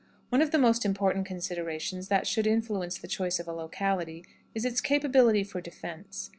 One of the most important considerations that should influence the choice of a locality is its capability for defense.